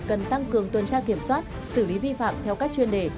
cần tăng cường tuần tra kiểm soát xử lý vi phạm theo các chuyên đề